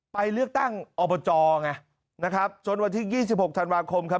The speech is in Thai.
ไปเลือกตั้งอบจไงนะครับจนวันที่๒๖ธันวาคมครับ